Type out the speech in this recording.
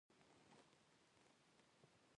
ابدالي یو ځلانده عسکر او هوښیار سیاستمدار وو.